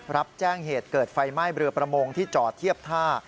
รับแจ้งเหตุเกิดไฟไหม้เรือประมงที่จอดเทียบท่า